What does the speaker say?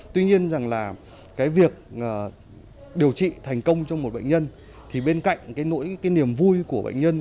tuy nhiên rằng là cái việc điều trị thành công cho một bệnh nhân thì bên cạnh cái nỗi cái niềm vui của bệnh nhân